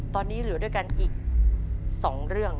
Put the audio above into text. ตอนนี้เหลือด้วยกันอีก๒เรื่อง